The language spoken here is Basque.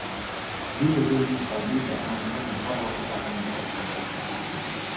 Bi legegintzaldi daramatza Nafarroako Parlamentuan.